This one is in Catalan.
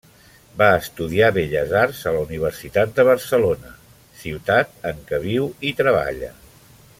Va estudiar Belles Arts a la Universitat de Barcelona, ciutat en què viu i treballa.